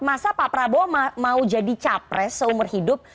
masa pak prabowo mau jadi capres seumur hidup